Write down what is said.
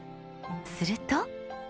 すると。